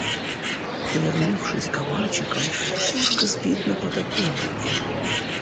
Свернувшись калачиком, кошка спит на подоконнике.